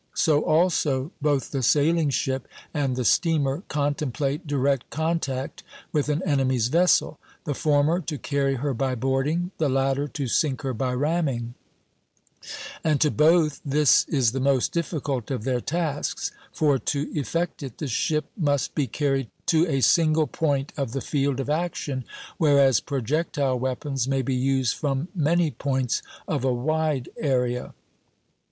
So also both the sailing ship and the steamer contemplate direct contact with an enemy's vessel, the former to carry her by boarding, the latter to sink her by ramming; and to both this is the most difficult of their tasks, for to effect it the ship must be carried to a single point of the field of action, whereas projectile weapons may be used from many points of a wide area.